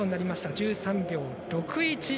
１３秒６１。